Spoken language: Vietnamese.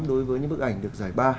đối với những bức ảnh được giải ba